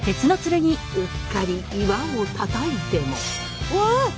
うっかり岩をたたいても。